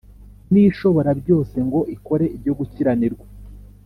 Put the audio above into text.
N ishoborabyose ngo ikore ibyo gukiranirwa